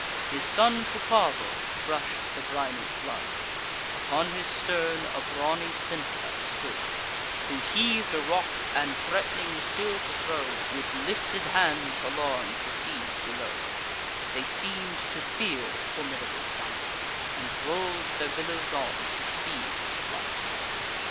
His son Cupavo brush'd the briny flood: Upon his stern a brawny Centaur stood, Who heav'd a rock, and, threat'ning still to throw, With lifted hands alarm'd the seas below: They seem'd to fear the formidable sight, And roll'd their billows on, to speed his flight.